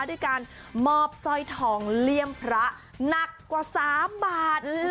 ด้วยการมอบสร้อยทองเลี่ยมพระหนักกว่า๓บาท